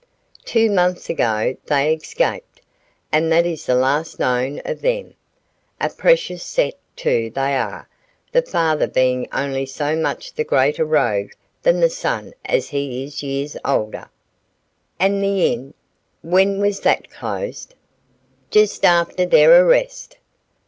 Two months ago they escaped, and that is the last known of them. A precious set, too, they are; the father being only so much the greater rogue than the son as he is years older." "And the inn? When was that closed?" "Just after their arrest."